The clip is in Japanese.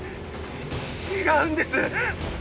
◆違うんです！